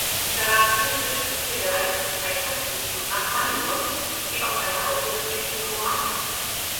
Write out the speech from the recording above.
Charakteristisch ist hier der Einfluss Tschaikowskis und Rachmaninows wie auch eine ausgeprägte Chromatik.